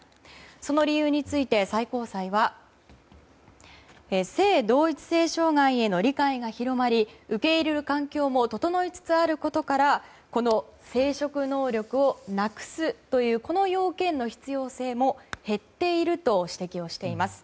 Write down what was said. その理由について、最高裁は性同一性障害への理解が広まり受け入れる環境も整いつつあることからこの生殖能力をなくすというこの要件の必要性も減っていると指摘をしています。